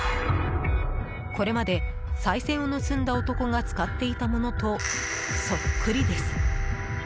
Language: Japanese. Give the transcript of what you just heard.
これまで、さい銭を盗んだ男が使っていたものとそっくりです。